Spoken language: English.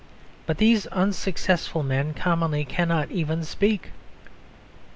But these unsuccessful men commonly cannot even speak.